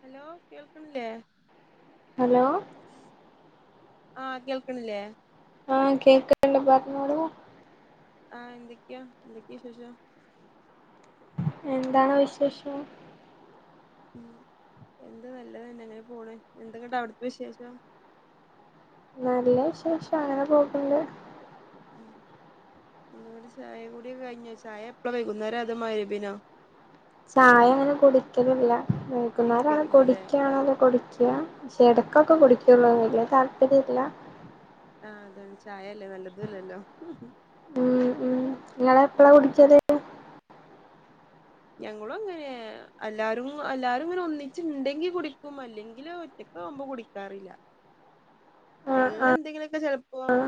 Hello കേൾക്ക്ണില്ലേ hello ആഹ് കേൾക്കണില്ലേ ആഹ് കേക്ക്ണ്ട് പറഞ്ഞോളൂ ആ എന്തൊക്കെയാ എന്തൊക്കെയാ വിശേഷം എന്താണോ വിശേഷം ഉം എന്ത നല്ലതന്നെ എങ്ങനെ പോണ് എന്തക്കണ്ടാ അവിടുത്തെ വിശേഷം നല്ല വിശേഷം അങ്ങനെ പോക്ണ്ട് ങ്ങടെ ചായ കൂടി ഒക്കെ കഴിഞ്ഞ ചായ എപ്പള വൈകുന്നേരം അതോ മഗ്രിബിനോ ചായ അങ്ങനെ കുടിക്കലില്ല വൈകുന്നര കുടിക്കാറില്ലല്ലേ കുടിക്കണേല് കുടിക്ക പക്ഷെ ഇടക്കൊക്കെ കുടിക്കുള്ളൂ വല്യതാല്പര്യല്ല ആ അതാണ് ചായയല്ലേ നല്ലതല്ലല്ലോ ഉം ഉം നിങ്ങള എപ്പഴാ കുടിക്കല് ഞങ്ങളും അങ്ങനെ എല്ലാരും എല്ലാരും അങ്ങനെ ഒന്നിച്ചിണ്ടെങ്കി കുടിക്കും അല്ലെങ്കില് ഒറ്റക്ക ആവുമ്പോ കുടിക്കാറില്ല ആഹ് വെള്ളം എന്തെങ്കിലുമൊക്കെ ചെപ്പോ ആഹ്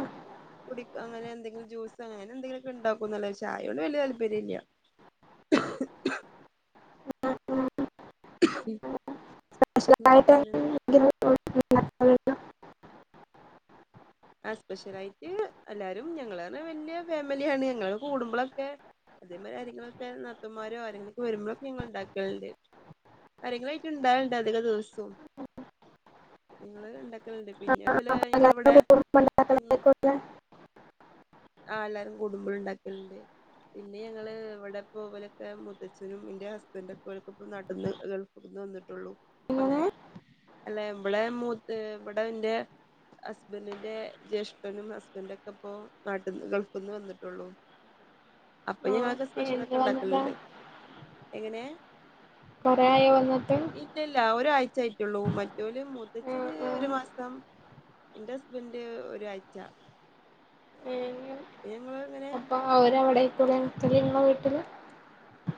കുടിക്ക അങ്ങനെ എന്തെങ്കിലും ജ്യൂസ അങ്ങനെ എന്തെങ്കിലുമൊക്കെ ഉണ്ടാക്കോ നല്ല ചായയോണ്ട് വല്ിയ താല്പര്യല്ല ഉം ഉ ഉ സ്പെഷ്യലായിട്ട് പിന്നെന്താ എന്തെങ്കിലും ഇണ്ടാക്കല്ണ്ടോ ആ സ്പെഷ്യലായിട്ട് എല്ലാരും ഞങ്ങള് ർഞ്ഞ വല്യ ഫാമിലിയാണ് ഞങ്ങ കൂടുമ്പോഴൊക്കെ അതേമാ ആങ്ങളൊക്കെ നർത്തന്മാരോ ആരെങ്ങളൊക്കെ വരുമ്പോഴൊക്കെ ഞങ്ങ ഉണ്ടാക്കലുണ്ട് ആരെങ്കിലൊക്കയിട്ട് ഇണ്ടുണ്ട് അധിക ദിവസവും ഞങ്ങള് ഇണ്ടാക്കലുണ്ട് ആഹ് പിന്നെപലെ ഞങ്ങള പലഹാരം ഇവിടെ കൂടുമ്പോ മ ഇണ്ടാക്കലായിരിക്കുംല്ലേ ആ എല്ലാരും കടുമ്പോൾ ഉണ്ടാക്കലുണ്ട് പിന്നെ ഞങ്ങള് ഇവിടെ പോ പോലെയൊക്കെ മുത്തച്ഛനും എന്റെ ഹസ്ബൻഡ ഒക്കെ പോലക്ക ഇ നട്ടന്ന് ഗൾഫിൽന്ന് വന്നിട്ടുള്ളു എങ്ങനെ അങ്ങനെ അല്ല ഇമ്മടെ മത്ത് ഇവിടെ എന്റെ ഹസ്ബൻഡിന്റെ ജ്യേഷ്ഠനും ഹസ്ബൻഡ ഒക്കെ ഇപ്പ നാട്ടന്ന് ഗൾഫിൽ നിന്ന് വന്നിട്ടുള്ളൂ അപ്പൊ ഞങ്ങളക്കെ ഓഹ് കൊശൊക്കെ എന്ന് വന്നതാ ഉണ്ടാക്കല്ണ്ട് എങ്ങനെ കൊറായേ വന്നിട്ട് ല്ല ഒരാഴ്ച ആായിട്ടുള്ളൂ മറ്റലും ആഹ് മുത്തച്ഛന് ആഹ് ഒരു മാസം എറെ ഹസ്ബന്ഡ ഒരാഴ്ച്ച അപ്പ ഞങ്ങള് എങ്ങനെ ആ അവരടത്തൂലെ [unintelligible] വീട്ടില്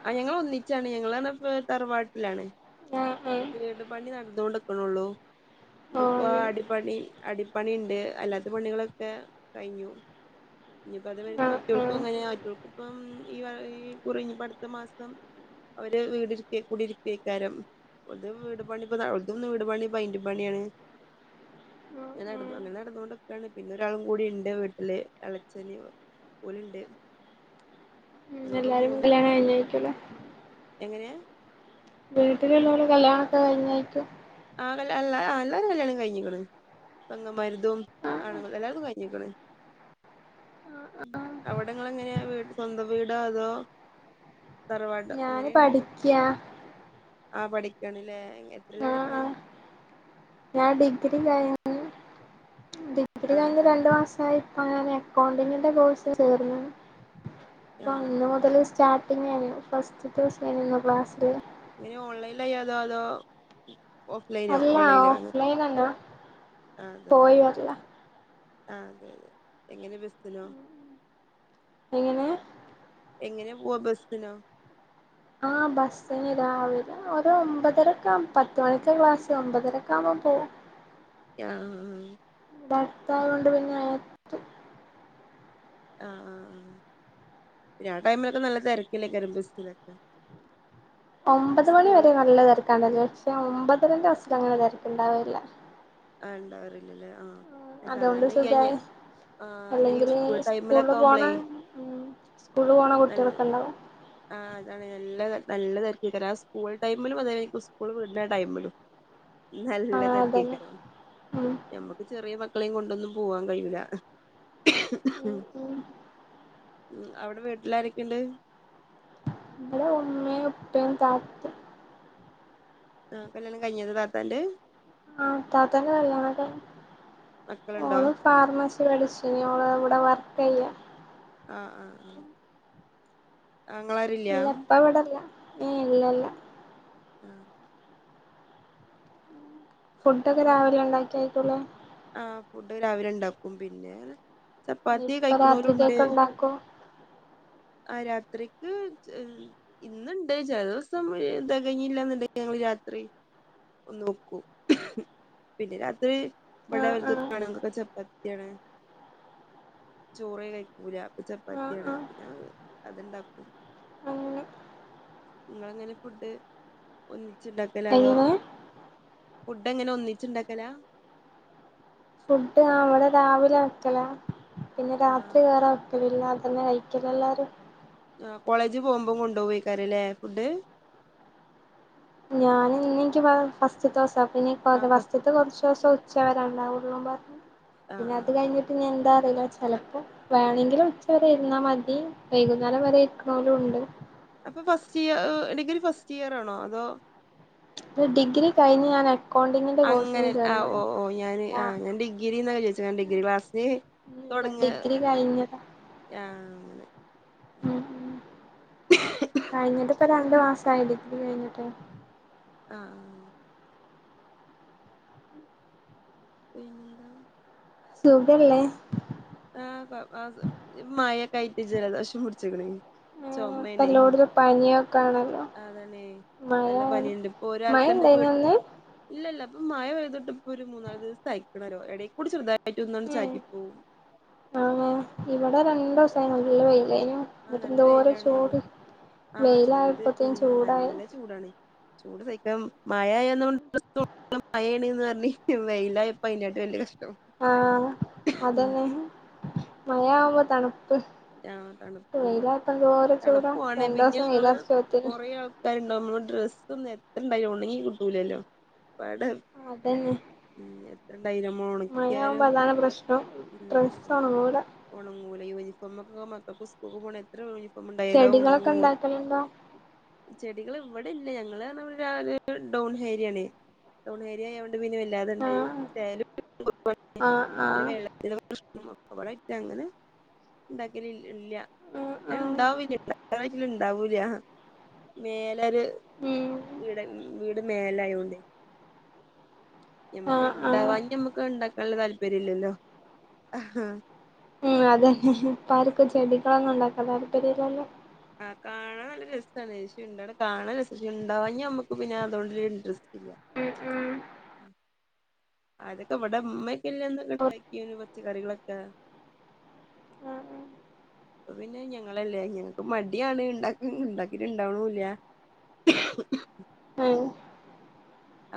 ആ ഞങ്ങള് ഒന്നിച്ചാണ് ഞങ്ങളാണിപ്പം തറവാട്ടിലാണ് ആഹ് വീട് പണി നടന്നൊണ്ടിക്കണുള്ളു ആഹ് ഓഹ് ഇനിയിപ്പോ അങ്ങനെ അടിപണി അടിപ്പണി ഉണ്ട് അല്ലാത്ത പണികളൊക്കെ കഴിഞ്ഞു ഇനിയിപ്പോ അതേ ആഹ് മറ്റവൾക്കും ആഹ് അങ്ങനെയ മറ്റവൾക്ക് ഇപ്പം ഈ കുറി ഇനിപ്പോ അടുത്ത മാസം അവര് വീട് കൂടി ഇരുരിക്കേക്കാരം പുതിയ വീട് പണിപ്പോ തുംന്ന് വീട് പണി പെയിന്റിംഗ് പണിയാണ് അങ്ങനെ ആഹ് നടന്നോ ആഹ് അങ്ങനെ നടന്നോണ്ട് നിക്കാണ് പിന്നെ ഒരാളും കൂടി ഇണ്ട് വീട്ടില് ഇളയച്ഛനേം ഓല് ഇണ്ട് ഉം എല്ലാരും കല്യാണം കഴിഞ്ഞത് ആയിരിക്കുലെ. എങ്ങനെയാ വീട്ടിലുള്ളരു കല്യാണമൊക്കെ കഴിഞ്ഞായിരിക്കും. ആ കല് എല്ല എല്ലാ വരും കല്യാണം കഴിഞ്ഞിക്കണ് പെങ്ങമാരുതും ആഹ് ആണുങ്ങും എല്ലർക്കും കഴിഞ്ഞിക്കണ് ആഹ് ആഹ് അവിടങ്ങള് എങ്ങനെയ വീട് സ്വന്തം വീടോ അതോ തറവാട് ഞാന് പഠിക്ക്യാ ആ പഠിക്കണില്ലേ എത്രയിലാ ആഹ് പഠിക്ക്ണ് ആഹ് ഞാൻ ഡിഗ്രി കഴിഞ്ഞ് ഡിഗ്രി കഴിഞ്ഞു രണ്ട് മാസായി അങ്ങനെ അക്കൗണ്ടിങ്ങിന്റെ കോഴ്സ് ചേർന്നു. പ്പ ആ അന്ന് ആ മുതൽ സ്റ്റാർ പിന്ന ഞാൻ ഫസ്റ്റ്റ്റിത്തെ ദിവസായിരുന്നു ഇന്ന് ക്ലാസ്സില്. ഇങ്ങനെ ഓൺലൈനിലായി അതോ അതോ ഓഫ്ലൈനോ അല്ല ഓൺലൈനോ അങ്ങ ഓഫ് ലൈൻ അല്ല പോയി വരലാ ആഹ് അതെ അതെ എങ്ങനെ ബസ്സിനോ എങ്ങനെ എങ്ങനെ പോവാ ബസ്സിനോ ആ ബസ്സിന് രാവിലെ ഒരു ഒമ്പതരക്കവുമ്പോ പത്തുമണിക്കാ ക്ലാസ് ഒമ്പതരക്കെ ആവുമ്പോ പോകും ആ ആ ആ ഭർത്താവ് ഉണ്ട് പിന്നെ അനിയ ആഹ് ആഹ് പിന്ന ആ ടൈമിലൊക്കെ നല്ല തിരക്കല്ലേ ബസ്സിലൊക്കെ. ഒമ്പത് മണി വരെ സ്കൂളില് നല്ല തിരക്കാണല്ലേ പക്ഷെ ഒമ്പത് ഒമ്പതിന്റെ ബസ്സിലങ്ങനെ തിരക്ക് ഉണ്ടാവില്ല ആ ഉണ്ടാവറില്ലല്ലേ ആഹ് അതുകൊണ്ട് സാധാരണ ഈ സുഖായി ആ അല്ല അല്ലെങ്കിൽ സ്കൂൾ സ്കൂളിൽ ടൈമിലൊക്കെ പോണ ആവുമ്പളേ ഉം സ്കൂളിൽ പോണ ന കുട്ടികളൊക്കെ ഉണ്ടാവും ആഹ് അതാണ് നല്ല. നല്ല തിരക്കായിരിക്കും കാരണം ആ സ്കൂൾ ടൈമിലും അതെ സ്കൂൾ വീടണ ടൈമിലും ആ നല്ല തിരക്കെ അതന്നെ [unintelligible] ഉം ഞമ്മുക്ക് ചെറിയ മ മക്കളെയും കൊണ്ടൊന്നും പോവാൻ കഴിയൂല ഉം ഉം ഉം അവിടെ വീട്ടിലാരൊക്കെയുണ്ട്. ടെ ഉമ്മയും ഉപ്പേം താത്തെ ആഹ് കല്യാണം കഴിഞ്ഞതാ താത്താന്റെ ആ താത്താന്റെ അത കല്യാണമൊക്കെ മക്കളുണ്ടോ ഓള് ഫാർമസി പഠിച്ചിനി ഓളെ കൂ ഇവിടെ വർക്കെയ്യാ ആ അ ആ ഇല്ല ഇപ്പവടല്ല ഏ ഇല്ലല്ല ആ ഫുഡൊക്കെ രാവിലെ ഉണ്ടാക്കിയേക്കുലെ ഫുഡ്‌രാവിലെ ഉണ്ടാക്കും പിന്നെ ചപ്പാത്തി കഴിക്കണോലുണ്ട് ഇപ്പരാത്രിക്കക്ക് ഉണ്ടാക്കും ആ രാത്രിക്ക് ഇന്ന്ണ്ട് ചെലദിവസം തി കഞ്ഞില്ലന്നുണ്ടെങ്കിൽ ഞങ്ങള് രാത്രി ഒന്ന് നോക്കും പിന്നെ രാത്രി ആ ഇവിടെ ആ ഓൽക്കൊക്കെ ആണുങ്ങൾക്ക് ചപ്പാ പ്പാത്തിയാണ് ചോറ് കഴിക്കൂല അപ്പൊ ആ ചപ്പാത്തിയാണ് ആ ചോറ്ഏ കഴിക്കൂല അപ്പൊ ഞാ അത്ണ്ടാക്കും അങ്ങനെ നിങ്ങളങ്ങനെ ഫുഡ് ഒന്നി ച്ച്ണ്ടാക്കലോ അതോ എങ്ങനെ ഫുഡ് എങ്ങനെ ഒന്നിച്ച്ണ്ടാക്കല ഫുഡ് ആ അവിടെ രാവിലെ വെക്കല പിന്നെ ആ രാത്രി വേറെ വക്കല് അതു മാത്രമേ കഴിക്കുള്ളൂ എല്ലാരും ആ കോളേജ് പോകുമ്പോം കൊണ്ടുപോവയ്ക്കരലെ ഫുഡ് ഞാൻ ഇന്നെക്ക് ഫസ്റ്റ്തേദോസ പിന്നെ ഫ ഫസ്റ്റ് കുറചച്ചോസം ച്ചെവരെ ഉണ്ടാവുളളും പറഞ്ഞ് ആ പിന്നെ ആ അത് കഴിഞ്ഞിട്ട് ഞ് എന്താ [unintelligible] ചെലപ്പോ വേണങ്കിലും ഉച്ച വരെ ഇരുന്നാ മതി വൈകുന്നേരംവരെ ഇരിക്കണോലും ഉണ്ട് അപ്പോ first year degree first year ആണോ അതോ ഡിഗ്രി കഴിഞ്ഞാണ് അങ്ങനെ ആ ഓ ഓ ഞാന് ആ ആഹ് ഞാൻ ഡിഗ്രി എന്ന വിജാരിച്ചത് ഞാൻ ഡിഗ്രി ക്ലാസ്സിന് അല്ല തൊടങ്ങ ഡിഗ്രി കഴിഞ്ഞതാ ആ ഉം ഉം കഴിഞ്ഞിട്ട് പ്പര രണ്ട് മാസായി ഡിഗ്രി കഴിഞ്ഞിട്ട് അ ആ ആ പിന്നന്ത സുഖല്ലേ ക്കെയായിട്ട് ജലദോശം പുടിച്ച് ക്ണ് ഏ ഇപ്പല്ലോടിലുംപനിയൊക്ക ആണല്ലോ അതാണേ മഴ നല്ല പനിയുണ്ട് ഇപ്പൊ മഴ ഒരാൾക്കന്നെ ഇണ്ടായിനോ വീട്ട് ഇന്ന് ഇല്ലല്ല മഴ പെയ്‌ത്‌ട്ട്‌ ഇപ്പരു മൂന്നാലീസയ്ക്ക്ണലോ എടെയ്ക്കൂടി ചെറുതായി [unintelligible] ചാറ്റി പോവും അങ്ങനെ ഇവ്വടെ രണ്ടുസായി നല്ല വെയില് ആ നല്ല വെയിലാണ് ആ ചൂട് ഉം വെയിലായപ്പോത്തേനും ചൂടായി നല്ല ചൂ [unintelligible] വെയിലാ ഇപ്പ അയ്നെയിട്ട് വലി ആ അതന്നെ. മഴ ആവുമ്പോ തണ് ആ തണുപ്പ് എന്തോര ചൂടാ തണുപ്പാല് പിന്നെ രണ്ടൂസം വെയിലറച്ചോത്തിന് ങ്ങള്കൊറേ ആൾട്ടാരും ഉണ്ടാവുന്പ്ബം ഡ്രസ് [unintelligible] എത്രണ്ടായി ഉണങ്ങി കിട്ടൂലല്ലോ വടം അതന്നെ ഐയനുമേ മഴയാവുമ്പോ ഉണക്കിയാലും അതാണ് പ്രശ്നം ഡ്രസ്സ് ഒണങ്ങൂല ഉണങ്ങൂല [unintelligible] നമ്മക്ക മക്കക്സ്കുപോണേ എത്ര ഉണ്ടായാലും ചെടികളൊക്കെ ഇണ്ടാക്കല്ല്ണ്ടോ ചെടികൾ ഇവിടെ ഇല്ല ഞങ്ങള് രാവിലെ ഡോൺ ഹാരിയാണ് ഡോൺഹാരിയ ല്ലാണ്ട് ആഹ് [unintelligible] ആഹ് ആഹ് വെള്ളത്തി [unintelligible] ണ്ടെങ്കിൽ ഇല്ല ഉം ഇണ്ടാ [unintelligible] ഇന്ന് ഇണ്ടാവൂലാ മേ ന്നര് ഉം ഉം വീ ട മേലെയോണ്ടെ ഞമ്മക്ക് ആഹ് ആഹ് ഇണ്ടാവാ മ്മക്ക് ഇണ്ട വെ [unintelligible] താല്പര്യ ഇല്ലല്ലോ. മ് അതെ. ഇപ്പ ആർക്കും ചെടികളൊന്നും ഉണ്ടാക്ക താല്പര്യല്ലല്ല. ആ കാണാൻ നല്ല രസമാണ് ശാണ് കാണൻ രണ്ടവാ നമ്മക്ക് പിന്നെ അതൊണ്ട് രു ഇൻ മ് മ് അതക്കെ ഇവിടെ ഇമ്മ ഇല്ലന്ന് [unintelligible] പച്ച കറികളൊക്കെ ആഹ് പ്പ പിന്നെ ഞങ്ങളല്ലേ ഞങ്ങക്ക് മടിയാണ് ഉണ്ട ഉണ്ടാക്കിട്ടുണ്ടാവുനുല്ല.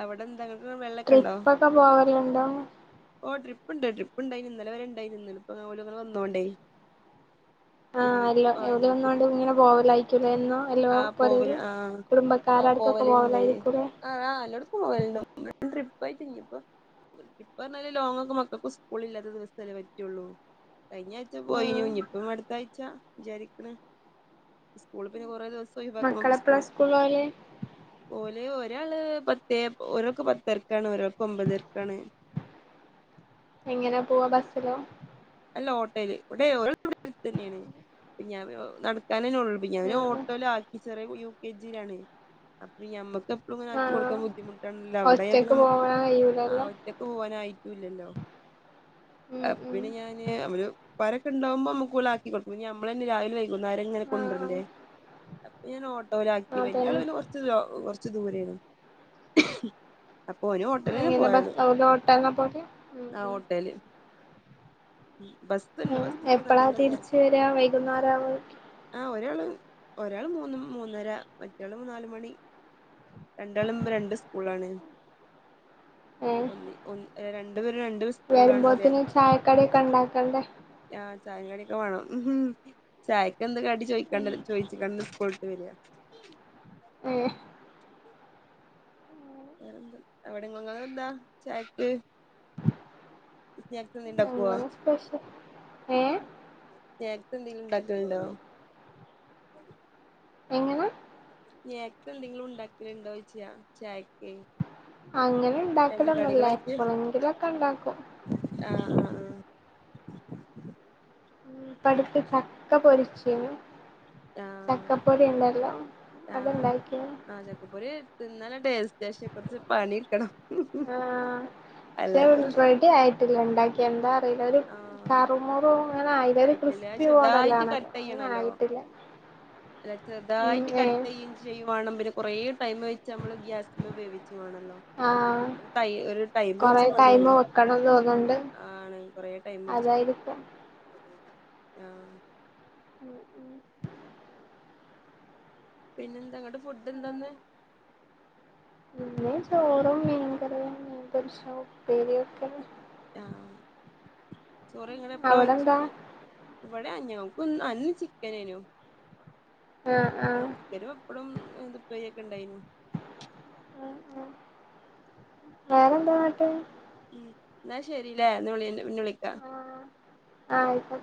അവിടെ എന്താ ഇങ്ങക്ക് വെള്ളൊക്കെ ഇണ്ടോ ട്രിപ്പ ഒക്കെ പോവാലുണ്ടോ ഓ ട്രിപ്പുണ്ട് ട്രിപ്പുണ്ടായി ഇ ന്നലവരെണ്ടായി ഇന്നലേ ഓല്നിന്നോടെ ആ അല്ലോ എവിടെ ഒന്നുംണ്ട് ഇങ്ങനെ പോവലായിരിക്കലെ എന്നോ എല്ലോ ആ പോവല് പെരലും ആ ആ കുടുംബക്കാരടുക്കൊക്കെ പോവലായിരിക്കൂലെ [unintelligible] ട്രിപ്പ് ആയിട്ട് ഇ ഇപ്പോ ലോങ്ങക്കെ മക്കൾക്കും സ്കൂള ഇല്ലാത്ത ദിവസല്ലേ പറ്റുള്ളൂ കഴിഞ്ഞ ആഴ്ച പോയി ആഹ് ഇനിയിപ്പ അടുത്താഴ്ച വിചാരിക്കണ സ്കൂൾ പിന്നെ കൊറ ദിവസം ഒഴിവാക്കുമ്പം മക്കളപ്പള സ്കൂള് സ്കൂള പോല് [unintelligible] ഒരാള് ത്തെപ്പോ ഒരാൾക്ക് പത്തെര്ക്കാണ് ഒരാൾക്ക് ഒമ്പതെര്ക്ക് ആണ് എങ്ങനെ പോവാ ബസ്സിലോ ത്തെ ഓട്ടെൽ ഇവടെ [unintelligible] അട്ത്തെന്നെയെൺ ഞാൻ പിന്നെ നട്ക്കാൻ തെന്നൊള്ളു പ്പം ഞാൻ ആ ഓട്ടോലാക്കി [unintelligible] ചെറിയ യു കെ ജിയിലാണെ അപ്പ ഞമ്മക്ക് എപ്പളും ഇങ്ങനെ ആ ആക്കി. ആഹ് കൊട്ക്കാൻ ബുദ്ധ് ബുദ്ധിമുട്ട്ണില്ല അവ്ടെംപ്പം ഒറ്റക്ക് ഞമ്മ പോവാൻ ആ കഴിയൂലല്ലോ ഒറ്റക്ക് പോവാനായി ട്ടു ഇല്ലല്ലോ ഉം ഹെ ഉം പിന്നെ ഞാൻ ഞ് ഇവര് ഇപ്പാരൊക്കെ ഇണ്ടാവുമ്പോ അമ്മക്കും ഓൽ. ആക്കി കൊട്ക്കും ഇഞ്ഞ് ഞമ്മളെന്നെ രാവിലെ. വൈ കുന്നാരം ഇങ്ങനെ ആഹ് കൊണ്ടെര്ണ്ടെ അപ്പ ഞാൻ ഓട്ടോ ട്ടൊ ഓലെ ആക്കി ആഹ് വല്യ ആൾ അതന്നെ പിന്നെ കൊർച്ച് ലോ കൊർ ച്ച് ദൂരെ ആണ് അപ് എങ്ങനെ ബസ്സ് ഓൽ ഓട്ടോലാ പോൽ ഉം ഉം ബസ് ഉണ്ട് ഏഹ് ബസ്സിലൊക്കെ എപ്പളാ നല്ല തിരിച്ച് തിരക്ക വരാ വൈകുന്നേരാവോ ആഹ് ഒരാള് ഒരാൾ മൂന്ന് മൂന്നര മറ്റേൾ നാല് മണി. രണ്ടാളും രണ്ട് സ്കൂളാണ്. ഒന്നി ഒന്ന് രണ്ട് പേരും രണ്ട് സ്കൂളിലാണ് പറയാ വെരുമ്പോത്തിന് ചായക്കടി ഒക്കെ ഇണ്ടാ കണ്ടെ ആ ചായ കടിം. ഒക്കെ വാണം ഉം ചായക്ക് എന്താ കടി ചോയിക്കണ്ടല്ലോ ചോയിച്ച് കാണ്ടാണ് സ്കൂൾട്ട് വെരാ ഏഹ് വേറെന്താ എവിടെങ്ങൾ ഇങ്ങക്ക് എന്താ ചാഴക്ക് സ്നാക്സ് എന്തെ ഇണ്ടാക്കോ സ്പെഷ്യ സ്നെക്ക്സ് എന്തെലും ഇണ്ടാക്കൽ ഇണ്ടോ. എങ്ങനെ സ്നെക്ക് എന്തെങ്കിലും ഇണ്ടാക്കൽ ഇണ്ടോ ചോയിച്ച ചായക്കെ അങ്ങനെ ഇണ്ടാക്കലൊന്നും ഇല്ല എപ്പളെങ്കിലൊക്കെ ഇണ്ടാക്കും ആഹ് [unintelligible] പഴുത്ത ചക്ക പൊരിച്ചീനു ചക്കപൊരി ഇണ്ടല്ലോ ആ ചക്ക പൊരി എര്ത്ത് നല്ല ടേസ്റ്റ് പക്ഷെ കൊർച്ച് പണി ഇട്ക്കണം ആഹ സേ റെഡിയായി വീട്ട് ഉണ്ടാക്കിയ എന്താ [unintelligible] ഒരു കറുമുറു അങ്ങനെ ആയില്ല ഒരു ആയിട്ടല്ലേ ക്രിസ്പി ചെറുതായിട്ട് മോഡലാണല്ലോ കട്ട് അങ്ങനെ ചെയ്യണല്ലോ ആയിട്ടില്ല അല്ല ഉം ചെറുതായിട്ട് കട്ട് ഏഹ് ചെയ്യയും ചെയ്യും വേണ കുറയട്ട് ടൈം വെച്ച നമ്മള് ഗ്യാസി വേവിച്ചു വണല്ലോട ആഹ് കൊറെ ടൈംടിച്ച മണിയ ടൈമ് വെക്കണം തോന്നുന്നുണ്ട് ആണ കൊറ ടൈം പിടിച്ച അതായിരിക്കും ആഹ പിന്നെ എന്താ അങ്ങട്ട ഫുഡ് എന്താന്ന് പിന്നെ ചോറും മീൻകറിയ മീൻപൊരിച്ചതും ഉപ്പേരിയൊക്കെ ആഹ ചോറ് ഇങ്ങ എപ്പഴ വെച്ച അവിടെന്താ ഇവിടെ അ ഇ അന്ന് ചിക്കനേനോ ആഹ് ആഹ് നോക്ക തരും അപ്പഴും എതുപ്പ ഒക്കെ ഉണ്ടായിു വേറെന്താ നട്ട് ഉം എന്നാ ശരില്ല നമ്മള ആഹ ആ ആയിട്ട